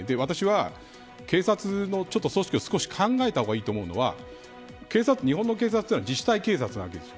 私は警察の組織を少し考えた方がいいと思うのは日本の警察というのは自治体警察なわけです。